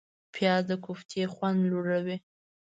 پیاز د کوفتې خوند لوړوي